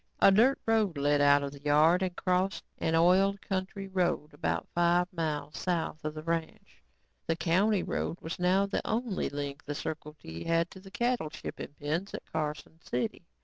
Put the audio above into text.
A dirt road led out of the yard and crossed an oiled county road about five miles south of the ranch. The county road was now the only link the Circle T had to the cattle shipping pens at Carson City.